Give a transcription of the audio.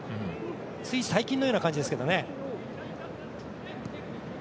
つい最近のような感じですけどね。